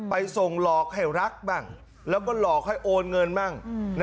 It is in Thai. ไปส่งหลอกให้รักบ้างแล้วก็หลอกให้โอนเงินบ้าง